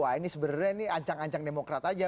wah ini sebenarnya ini ancang ancang demokrat aja